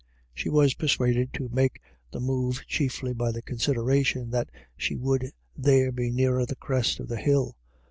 She was persuaded to make the move chiefly by the consideration that she would there be nearer the crest of the hill.